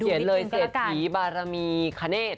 เห็นเลยเศรษฐีบารมีคาเนศ